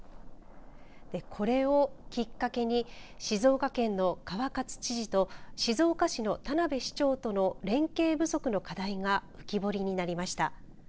これをきっかけに静岡県の川勝知事と静岡市の田辺市長との連携不足の課題が浮き彫りになりました。